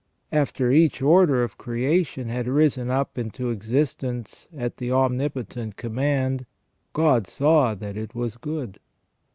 After each order of creation had risen up into existence at the Omnipotent command, "God saw that it was good".